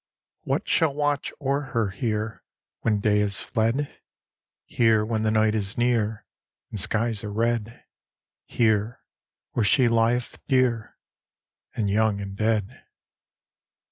What shall watch o'er her here When day is fled? Here when the night is near And skies are red; Here where she lieth dear And young and dead.